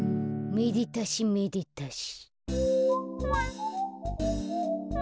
めでたしめでたし。